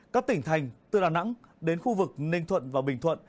các tỉnh thành từ đà nẵng đến khu vực ninh thuận và bình thuận